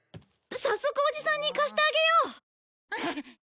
早速おじさんに貸してあげよう。